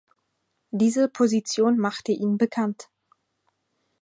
Diese Position machte ihn bekannt.